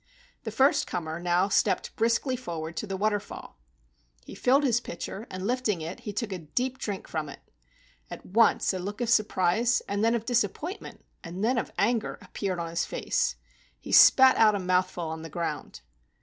The first comer now stepped briskly forward to the waterfall. He filled his pitcher, and lifting it, he took a deep drink from it. At once a look of surprise and then of disappointment and then of anger appeared upon his face. He spat out a mouthful on the ground.